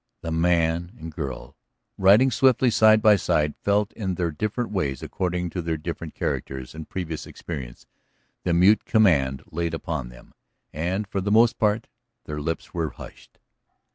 The man and girl riding swiftly side by side felt in their different ways according to their different characters and previous experience the mute command laid upon them, and for the most part their lips were hushed.